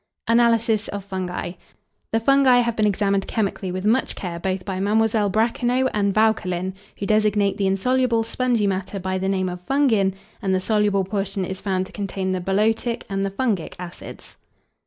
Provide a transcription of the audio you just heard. ANALYSIS OF FUNGI. The fungi have been examined chemically with much care, both by MM. Bracannot and Vauquelin, who designate the insoluble spongy matter by the name of fungin, and the soluble portion is found to contain the bolotic and the fungic acids.